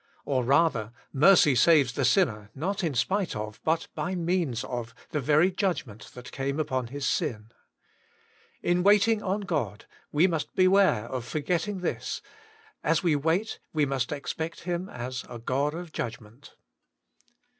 Or, rather, mercy saves the sinner, not in spite of, but by means of, the Teij 94 WAITING ON GODt judgment that came upon his sin. In waiting on God, we must beware of forgetting this : as we wait we must expect Him as a God of judgment.